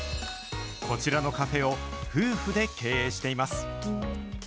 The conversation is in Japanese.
こちらのカフェを夫婦で経営しています。